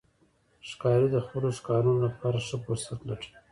ښکاري د خپلو ښکارونو لپاره ښه فرصت لټوي.